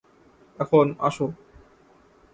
এখন, আসো।